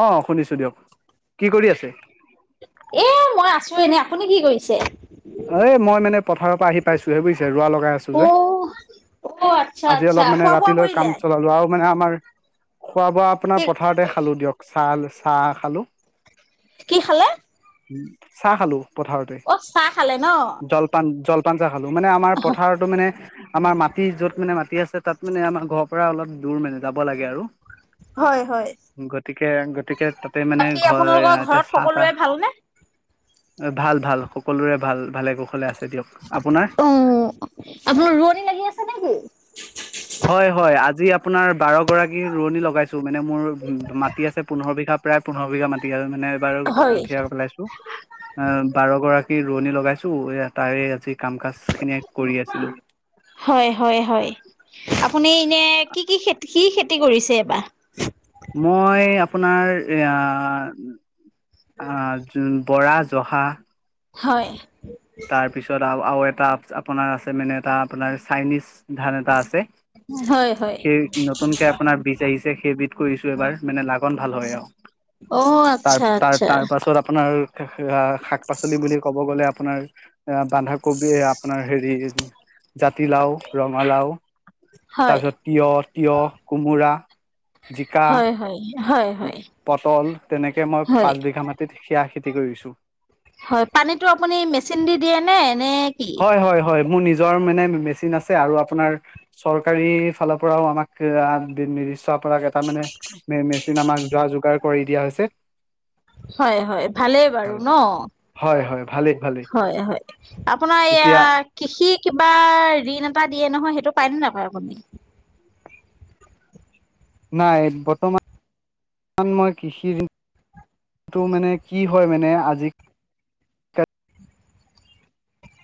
অ শুনিছো দিয়ক কি কৰি আছে এ মই আছো এনে আপুনি কি কৰিছে। এ মই মানে পথাৰৰ পৰা আহি পাইছো। হে বুজিছে ৰোৱা লগাই আছো অ যে অ আচ্ছা আজি আচ্ছা অলপ মানে খোৱা বোৱা ৰাতিলৈ কৰিলে? কাম চলালো আৰু মানে আমাৰ- খোৱা বোৱা কি আপোনাৰ পথাৰতে খালো দিয়ক চাহ, চাহ খালোঁ। কি খালে? উ চাহ খা, লো পথাৰতে- অ চাহ খালে ন! জলপান জলপান টা খালো মানে আমাৰ পথাৰতো মানে। আমাৰ মাটি য'ত মানে মাটি আছে তাত মানে আমাৰ ঘৰৰ পৰা অলপ দূৰ মানে যাব লাগে। আৰু হয় হয়। গতিকে গতিকে তাতে মানে বাকী ঘৰ আপোনালোকৰ এতিয়া ঘৰত চাহ সকলোৰে তাহ ভালনে? ভাল ভাল সকলোৰে ভাল ভালে কৌশলে আছে দিয়ক। আপোনাৰ অ আপোনাৰ ৰোৱনী লাগি আছে নেকি? হয় হয় আজি আপোনাৰ বাৰ গৰাকী ৰোৱনী, লগাইছো মানে মোৰ ম মাটি আছে পোন্ধৰ বিঘা প্ৰায় পোন্ধৰ বিঘা মাটি আছে মানে। বাৰ হয় কঠিয়া পেলাইছো অ বাৰগৰাকীৰ, ৰোৱনি লগাইছোঁ এই তাৰে আজি কাম কাজ খিনিয়ে কৰি আছিলোঁ। হয় হয় হয়। আপুনি এনে কি কি খেতি কি খেতি কৰিছে এইবাৰ মই আপোনাৰ এ অ বৰা জহা হয় তাৰপিছত আৰু আৰু এটা আপোনাৰ আছে মানে এটা আপোনাৰ চাইনিজ- ধান, এটা আছে। হয় হয়। সেই নতুনকে আপোনাৰ বীজ আহিছে সেইবিধ কৰিছো এবাৰ মানে লাগন ভাল হয়। আৰু- অ তাৰ আচ্ছা তাৰ আচ্ছা তাৰ পাছত আপোনাৰ শাক -পাচলি বুলি ক'ব গ'লে আপোনাৰ। বন্ধাকবি আপোনাৰ হেৰি জাতিলাও, ৰঙালাও, হয় তাৰপিছত তিঁয়হ, তিয়হ কোমোৰা, জিকা, হয় হয়। হয় হয় পটল তেনেকে মই হয় পাঁচ বিঘা মাটিত সেয়া খেতি কৰিছো। হয় পানীতটো আপুনি মেচিন দি দিয়ে নে নে কি? হয় হয় মোৰ নিজ নিযৰ মানে মেচিন আছে। আৰু আপোনাৰ- চৰকাৰী ফালৰ পৰাও আমাক নি চ পৰা- তাৰ মানে মেচিন আমাক যোৱা যোগাৰ কৰি দিয়া হৈছে। হয় হয় ভালেই বাৰু হয় ন। হয় হয় ভালেই ভালেই হয় হয় আপোনাৰ এয়া। এতিয়া কৃষি কিবা ঋণ এটা দিয়ে নহয়, সেইটো পায়নে নাপায় আপুনি? নাই, বৰ্তমান মই, কৃষিৰ এইটো মানে, কি হয়, মানে আজি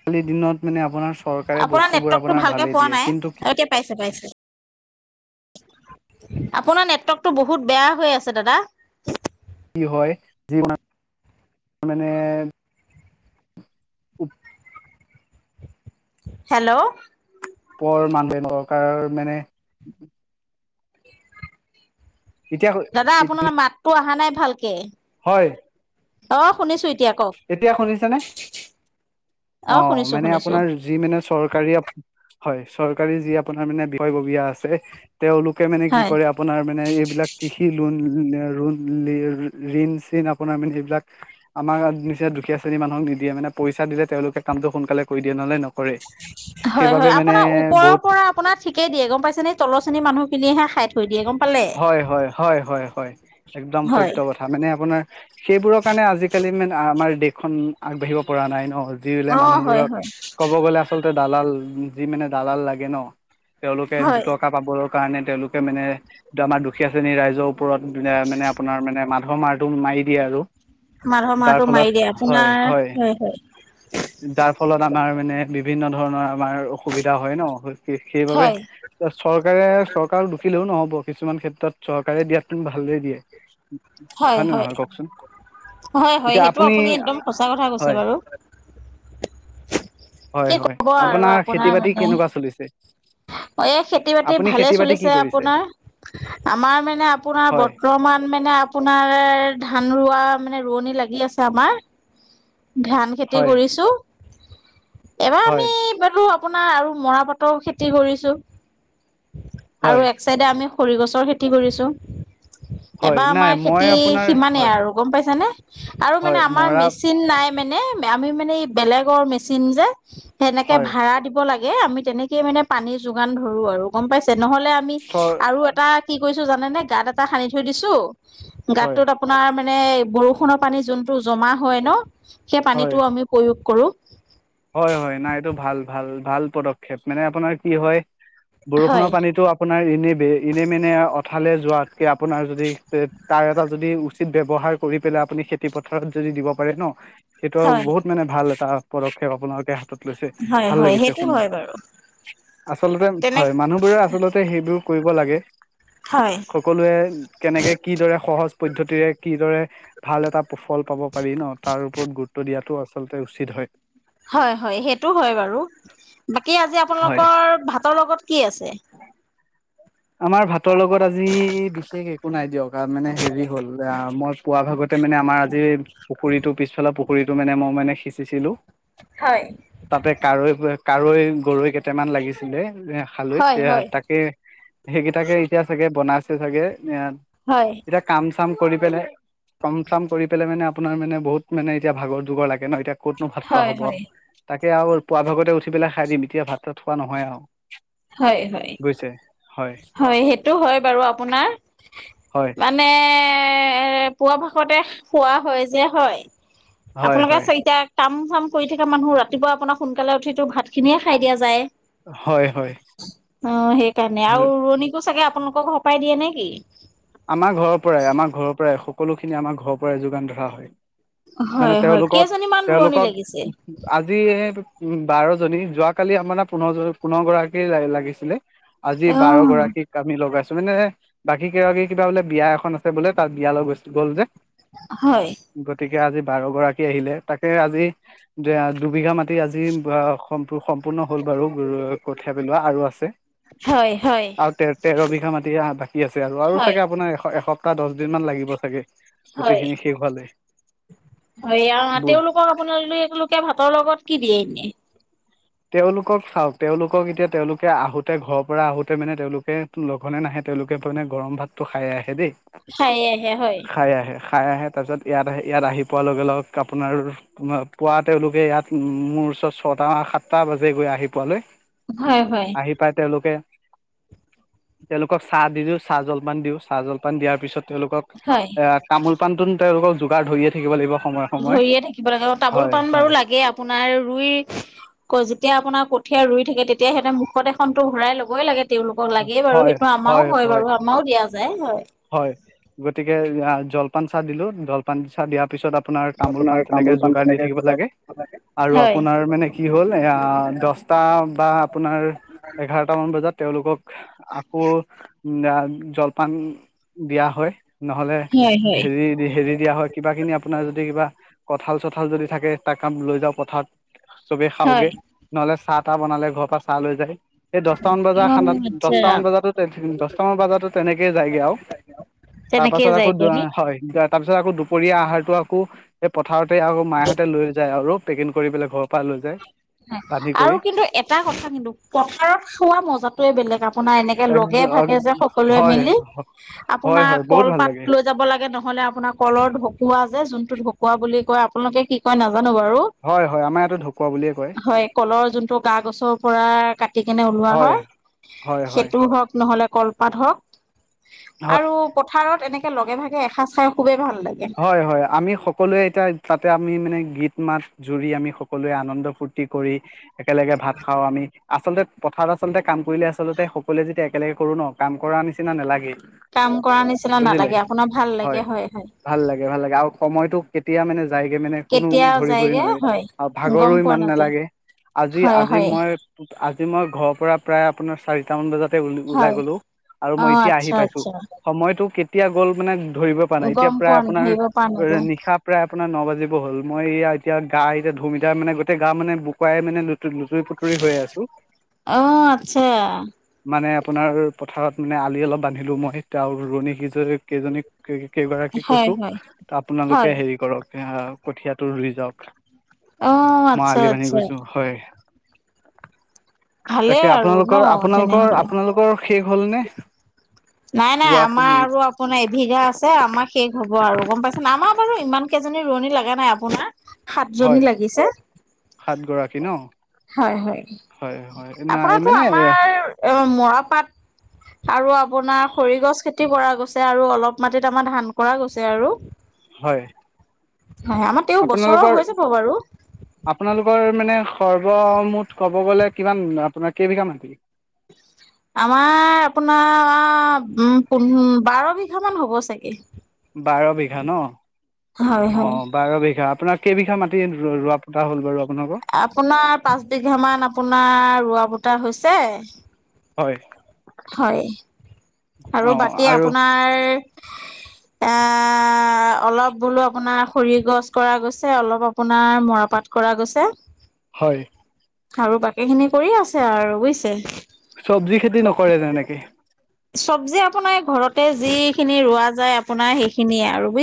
আ, কালিৰ দিনত মানে আপোনাৰ চৰকাৰে বস্তুবোৰ আপোনাৰ ভালে দিয়, কিন্তু অ, এতিয়া পাইছে, পাইছে। আপোনাৰ নেটৱৰ্কতটো বহুত বেয়া হৈ আছে, দাদা। কি হয়, যি ম, মানে [inaudible] হেল্ল, পৰ, মানুহে নকাৰ মানে এতিয়া দাদা আপোনাৰ মাতটো অহা নাই, ভালকে। হয়। অ, শুনিছো এ এতিয়া শুনিছে নে? অ, শুনিছো মানে শুনিছো আপোনাৰ যি মানে চৰকাৰী হয়, চৰকাৰী যি আপোনাৰ মানে বিষয়ববীয়া আছে তেওঁলোকে মানে কি হয় কৰে, আপোনাৰ মানে, এইবিলাক কৃষি লোন, [inaudible] ঋণ-চিণ আপোনাৰ মানে এইবিলাক। আমাক নিজে দুখীয়া শ্ৰেণী মানুহক নিদিয়ে মানে পইচা দিলে তেওঁলোকে কামতটো সোনকালে কৰি দিয়ে, নহ'লে নকৰে। হয়, সেইবাবে হয়, মানে আপোনাৰ ওপৰৰ বহুত পৰা আপোন ঠিকেই গম পাইছে নে তলৰ শ্ৰেণীৰ মানুহখিনিয়ে খাই থৈয় দিয়ে গম পালে হয়, হয়, হয়, হয়, হয়, একদম হয় সত্য কথা। আ, মানে আপোনাৰ সেইবোৰৰ কাৰণে আজিকালি দিনত মানে আমাৰ দেশখন আগবাঢ়িব পৰা নাই ন, দিলে অ হয় মানুহবোৰক হয় ক'ব গ'লে, আ তে, দালাল যি মানে দালাল লাগে ন, তেওঁলোকে হয় দুটকা পাব কাৰণে তেওঁলোকে মানে আমাৰ দুখীয়া শ্ৰেণীৰ ৰাইজৰ ওপৰত মানে, আপোনাৰ মানে, মাধ মাৰ মাৰি দিয়ে আৰু মাধৰ মাৰটো যাৰ মাৰি দিয়ে ফলত হয়, আপোনাৰ হয়। যাৰ ফলত আমাৰ মানে বিভিন্ন ধৰণৰ আমাৰ অসুবিধা হয় ন, সেইবাবে হয়, চৰকাৰে, চৰকাৰক দুখিলেও নহ'ব। কিছুমান ক্ষেত্ৰত চৰকাৰে দিয়াতোন ভালদৰে দিয়ে, হয় নে নহয় কওঁকচোন। হয়, হয়, সেইটো আপুনি একদম সঁচা কথা কৈছে হয় বাৰু। হয় কি হয় ক'ব আৰু খেতি আপোনাৰ বাতি মানে। কেনেকুৱা চলিছে এই খেতি-বাতি আপুনি ভালে খেতি বাতি কি চলিছে কৰিছে আপোনাৰ, আমাৰ মানে আপোনাৰ হয় বৰ প্ৰমাণ মানে আপোনাৰ ধান ৰোৱা মানে ৰোৱনী লাগি আছে আমাৰ। ধান খেতি হয় কৰিছো। হয়। এইবাতো আপোনাৰ আৰু মৰাপাতৰ খেতি কৰিছো আৰু হয় এক চাইডে আমি খৰিগছৰ খেতি কৰিছোঁ, হয় এবাৰ নাই আমাৰ মই খেতি আপোনাৰ সিমানেই হয় আৰু। গম পাইছেনে, আৰু মানে হয় আমাৰ মৰা মে চিন, নাই মানে আমি মানে বেলেগৰ মেচিন যে, সেনেকে হয় ভাড়া দিব লাগ এই, আমি তেনেকয়ে মানে পানী যোগান ধৰো আৰু গম পাইছে, নহ'লে আমি চ আৰু এটা কি কৰিছো জানে নে, গাঁত এটা সানি থৈ দিছো হয় গাতটোত আপোনাৰ মানে বৰষুণৰ পানী যোনটো জমা হয় ন, সেই হয় পানীটোও আমি প্ৰয়োগ কৰো। হয়, হয়, নাই এইটো ভাল, ভাল, ভাল, পদক্ষেপ মানে আপোনাৰ কি হয় হয় বৰষুণৰ পানীতটো আপোনাৰ এনে ব, এনে মেনে অঠালে যোৱাতকৈ আপোনাৰ যদি তাৰ এটা যদি উচ্চিত ব্যৱহাৰ কৰি পেলাই আপুনি খেতি পথাৰত যদি দিব পাৰে ন সেইটো আৰু হয় বহুত মানে ভাল এটা পদক্ষেপ আপোনালোকে লৈছে হয় ভাল হয় লাগিছে সেইটো শুনি, হয় বাৰু আচলতে তেনে হয় মানুহবোৰে আচল তে সেইবোৰ কৰিব লাগে। হয় সকলোৱে কেনেকে কিদৰে সহজ পদ্ধতিৰে কিদৰে ভাল এটা ফল পাব পাৰি ন তাৰ ওপৰত গুৰুত্ব দিয়াটো আচলতে উচিত হয়। হয় হয় সেইটো হয় বাৰু, বাকী আজি হয় আপোনালোকৰ ভাতৰ লগত কি আছে? আমাৰ ভাতৰ লগত আজি বিশেষ একো নাই দিয়ক মানে হেৰি হ'ল মই পোৱা ভাগতে মানে আমাৰ আজি পুখুৰীটো পিছফালৰ পুখুৰীটো মানে মই মানে সিঁচিছিলো। হয়। তাতে কাৱৈ কাৱৈ গৰৈ কেইটামান লাগিছিলে হয় খালৈত এ হয় তাকে সেইকেইটাকে এতিয়া চাগে বনাইছে চাগে। হয়। এতিয়া কাম চাম কৰি পেলাই কাম চাম কৰি পেলাই মানে আপোনাৰ মানে বহুত মানে এতিয়া ভাগৰ যুগৰ লাগে ন এতিয়া ক'তনো ভাত খোৱা হয় হ'ব হয় তাকে আৰু পুৱা ভাগতে উঠি পেলাই খাই দিম এতিয়া ভাত চাত খোৱা নহয় আৰু। হয় হয়। বুজিছে [inaudible] হয় সেইটো হয় বাৰু। আপোনাৰ? হয় মানে পুৱা ভাগতে খোৱা হয় যে হয়। হয় আপোনালোকে হয় ছয়টা কাম চাম কৰি থাকা মানুহ ৰাতিপুৱা আপোনাৰ সোনকালে উঠিটো ভাত খিনিয়ে খাই দিয়া যায়। হয় হয়। অঁ সেইকাৰণে, আৰু ৰুৱনীকো চাগে আপোনালোকৰ ঘৰ পৰাই দিয়ে নে কি? আমাৰ ঘৰৰ পৰাই আম ঘৰৰ পৰাই সকলোখিনি আমাৰ ঘৰৰ পৰাই যোগান ধৰা হয়। মানে হয় হয় তেওঁলোকক, কেইজনীমান ৰোৱনী তেওঁলোকক লাগিছে আজি এ বাৰজনী যোৱাকালি আমাৰ পোন্ধৰ পোন্ধৰ গৰাকীয়ে লাগিছিলে। আজি অ বাৰ গৰাকীক আমি লগাইছো মানে বাকী কেইগৰাকী কিবা বোলে বিয়া এখন আছে বোলে তাত বিয়ালৈ গৈছিল গ'ল যে। হয়। গতিকে আজি বাৰ গৰাকী আহিলে তাকে আজি দুবিঘা মাটি আজি অহহ' সম্প সম্পূৰ্ণ হ'ল বাৰু কঠিয়া পেলোৱা আৰু আছে। হয় হয়। আৰু তেৰ তেৰ বিঘা মাটি বাকী আছে আৰু। আৰু হয় চাগে আপোনাৰ এ এসপ্তাহ দহ দিন মান লাগিব চাগে হয় গোটেইখিনি শেষ হোৱালে। হয় এয়া তেওঁলোকক আপোনালোকে ভাতৰ লগত কি দিয়ে এনে? তেওঁলোকক চাওক তেওঁলোকক এতিয়া তেওঁলোকে আহোতে ঘৰৰ পৰা আহোতে মানে তেওঁলোকে লঘোনে নাহে তেওঁলোকে মানে গৰম ভাতটো খাই আহে দেই। খাই আহে হয়। খাই আহে খাই আহে তাৰপিছত ইয়াত আহি ইয়াত আহি পোৱাৰ লগে লগে আপোনাৰ তোমাৰ পুৱা তেওঁলোকে ইয়াত মোৰ ওচৰত ছটা সাতটা বাজে গৈ আহি পোৱালৈ। হয় হয়। আহি পায় তেওঁলোকে তেওঁলোকক চাহ দি দিওঁ চাহ জলপান দিওঁ চাহ জলপান দিয়াৰ পিছত তেওঁলোকক হয়। এ তামোল পাণটোন তেওঁলোকক যোগাৰ ধৰিয়ে- থাকিব লাগিব সময়ত। ধৰিয়ে থাকিব লাগে অ তামোল পাণ বাৰু লাগে আপোনাৰ ৰুই - যেতিয়া আপোনাৰ কঠীয়া ৰুই থাকে তেতিয়া সিহঁতে মুখ এখনটো ভৰাই লবই লাগে। তেওঁলোকক লাগেই বাৰু সেইটো আমাৰও হয় বাৰু আমাৰও দিয়া যায় হয়। হয় গতিকে জলপান চাহ দিলো জলপান চাহ দিয়াৰ পিছত আ- আপোনাৰ তামোল পাণ তেনেকে যোগাৰ দি থাকিব লাগে আৰু হয় আপোনাৰ মানে কি হ'ল এ দহ- দহটা বা আপোনাৰ - [unintelligible] দহটামান বজাত তেওঁলোকক আকৌ অ জলপান দিয়া হয়। নহ'লে হয় হয় হেৰি হেৰি দিয়া হয়। কিবা খিনি আপোনাৰ যদি কিবা কঁঠাল চঠাল যদি থাকে তাক কাম লৈ যাওঁ পথাৰত। চবে হয় খাওগে, নহলে চাহ তাহ বনালে ঘৰৰ পৰা চাহ লৈ যায়। এই দহটামান বজাৰ অ খানাত আচ্ছা দহটামান বজাতো দহটামান বজাতো তেনেকেইে যায়গে আও তাৰ তেনেকেই পাছত আকৌ যায়গৈ নি হয়। তাৰ পিছত আকৌ দুপৰীয়া আহাৰটো আকৌ সেই পথাৰতে আকৌ মাহঁতে লৈ যায় আৰু পেকিং কৰি পেলাই ঘৰ - পা লৈ যায়। বান্ধি আৰু কৰি কিন্তু এটা কথা কিন্তু পথাৰত খোৱা মজাটোয়ে বেলেগ আ- আপোনাৰ এনেকে এক লগে ভাগে যে সকলোৱে হয় মিলি হয় আপোনাৰ হয় বহুত ভাল লাগে কলপাত লৈ- যাব লাগে নহলে আপোনাৰ কলৰ ঢকুৱা যে যোনটো ঢকুৱা বুলি কয় আপোনালোকে কি কয় নাজানো বাৰু। হয় হয় আমাৰ ইটা ঢকুৱা বুলিয়েই - হয় কলৰ যোনটো গা গছৰ পৰা কাটি কেনে ওলোৱা হয়। হয় হয় সেইটোও হওক নহ'লে কল - পাত হ‌ওক হয় আৰু পথাৰত এনেকে লগে ভাগে এসাঁজ খাই খুবেই ভাল লাগে। হয় হয় আমি সকলোৱে এতিয়া তাতে আমি মানে গীত মাত - জুৰি আমি সকলোৱে আনন্দ ফূৰ্তি কৰি একেলগে ভাত খাওঁ আমি, আচলতে - পথাৰত আচলতে কাম কৰিলে আচলতে সকলোৱে যেতিয়া একেলগে কৰো ন কাম কৰাৰ নিচিনা নেলাগেই। কাম কৰা নিচিনা নালাগে আপোনাৰ ভাল লাগে হয় হয়। ভাল লাগে ভাল লাগে আৰু সময়টো কেতিয়া মানে - যায়গে মানে কোনো কেতিয়া ধৰিবই যায়গে নোৱাৰে হয় আৰু ভাগৰো গম পোৱা ইমান নাযায় নেলাগে। আজি হয় আজি হয় মই আজি মই ঘৰৰ পৰা প্ৰায় - আপোনাৰ চাৰিট মান বজাতে ও ওলাই হয় গলো আৰু অ মই এতিয়া আহি আচ্ছা পাইছো। আচ্ছা সময়টো কেতিয়া গ'ল মানে ধৰিব পৰা নাই এতিয়া গম প্ৰায় পোৱা আপোনাৰ ধৰিব পৰা নাযায় - নিশা প্ৰায় আপোনাৰ ন বাজিব হ'ল, মই এইয়া এতিয়া গা এতিয়া ধুম এতিয়া মানে গোটেই গা মানে বুকুৱাই মানে লু - লুতুৰি পুটুৰি হৈ আছো। অ আচ্ছা মানে আপোনাৰ পথাৰত মানে আলি অলপ বান্ধিলো মই, এতিয়া আও ৰুৱনি সেইজনীক কেইজনীক - কেই কেইগৰা - হয় কৈছো হয় আপোনালোকে হয় হেৰি কৰক কঠিয়াটো ৰুই যাওক। অ মই আচ্ছা আলি বান্ধি আচ্ছা গৈছো হয়। ভালেই তাকে আৰু ন আপোনালোকৰ আপোনালোকৰ তেনেহলে আপোনালোকৰ শেষ হ'ল নে? নাই নাই ৰোৱাটো আমাৰ আৰু - আপোনাৰ এবিঘা আছে আমাৰ শেষ হ'ব আৰু গম পাইছা নাই। আমাৰ বাৰু ইমান কেইজনী ৰোৱনী লগা নাই আপোনাৰ - হয় সাতজনী লাগিছে। সাত গৰাকী ন? হয় হয়। হয় হয় নাই আপোনাৰতো মানে আমাৰ এ মৰাপাট - আৰু আপোনাৰ হৰি গছ খেতি কৰা গৈছে আৰু অলপ মাটিত আমাৰ ধান কৰা গৈছে আৰু। হয় হয় আমাত আপোনালোকৰ আপোনালোকৰ মানে সৰ্বমুঠ কব- ক'ব গ'লে কিমান আপোনাৰ কেইবিঘা মাটি? আমাৰ আপোনাৰ উম পোন বাৰ বিঘা মান হ'ব চাগে বাৰ বিঘা ন হয় হয় অ বাৰ বিঘা আপোনাক কেইবিঘা মাটি ৰোৱা পোতা হ'ল বাৰু আপোনালোকৰ আপোনাৰ পাঁচ বিঘামান আপোনাৰ ৰোৱা পোটা হৈছে। হয় হয় অ আৰু বাকী আৰু আপোনাৰ এ আ অলপ বোলো আপোনাৰ সৰি গছ কৰা গৈছে, অলপ আপোনাৰ মৰাপাত কৰা গৈছে হয় আৰু বাকিখিনি কৰি আছে আৰু বুইছে। চবজি খেতি নকৰে তেনেকে চবজি আপোনাৰ ঘৰতে যিখিনি ৰোৱা যায় আপোনাৰ সেইখিনিয়ে আৰু বুই-